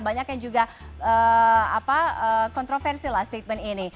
banyak yang juga kontroversi lah statement ini